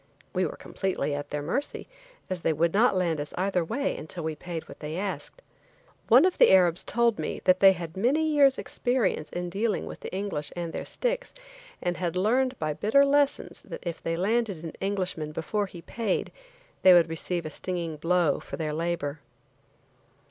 We were completely at their mercy, as they would not land us either way until we paid what they asked. One of the Arabs told me that they had many years' experience in dealing with the English and their sticks, and had learned by bitter lessons that if they landed an Englishman before he paid they would receive a stinging blow for their labor.